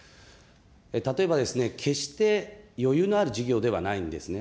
例えばですね、決して、余裕のある事業ではないんですね。